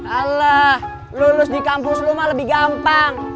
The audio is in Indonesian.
alah lulus di kampus lu mah lebih gampang